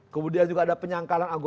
kemudian juga ada penyangkalan agus